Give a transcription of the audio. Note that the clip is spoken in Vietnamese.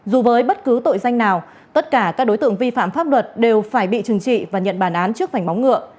dù với bất cứ tội danh nào tất cả các đối tượng vi phạm pháp luật đều phải bị trừng trị và nhận bàn án trước vảnh móng ngựa